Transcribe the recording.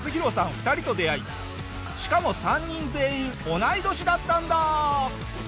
２人と出会いしかも３人全員同い年だったんだ。